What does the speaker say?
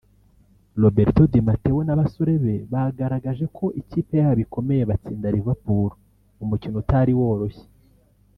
Roberto Di Mateo n’abasore be bagaragaraje ko ikipe yabo ikomeye batsinda Liverpool mu mukino utari woroshye